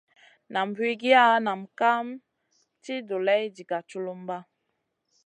Nam wigiya nam kam ci doleyna diga culumba.